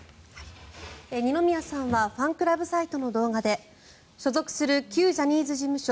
二宮さんはファンクラブサイトの動画で所属する旧ジャニーズ事務所